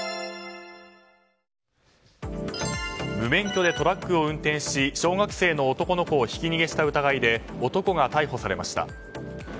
無免許でトラックを運転し小学生の男の子をひき逃げした疑いで男が逮捕されました。